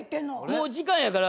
もう時間やから。